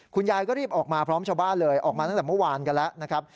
คุณยายก็รีบออกมาพร้อมชาวบ้านเลยออกมาตั้งแต่เมื่อวานกันแล้วนะครับ